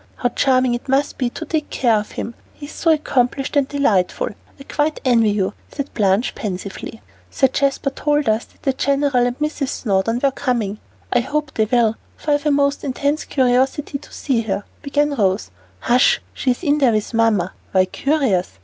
"How charming it must be to take care of him, he is so accomplished and delightful. I quite envy you," said Blanche pensively. "Sir Jasper told us that the General and Mrs. Snowdon were coming. I hope they will, for I've a most intense curiosity to see her " began Rose. "Hush, she is here with Mamma! Why curious?